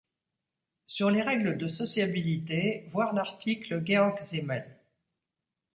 Sur les règles de sociabilité, voir l'article Georg Simmel.